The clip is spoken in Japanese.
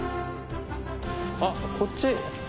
あっこっち。